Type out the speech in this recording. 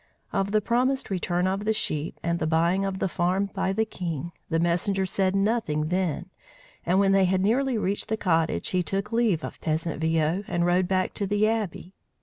Of the promised return of the sheep, and the buying of the farm by the king, the messenger said nothing then; and when they had nearly reached the cottage, he took leave of peasant Viaud and rode back to the Abbey.